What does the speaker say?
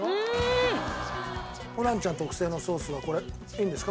ホランちゃん特製のソースはこれいいんですか？